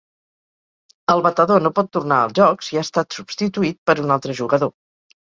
El batedor no pot tornar al joc si ha estat substituït per un altre jugador.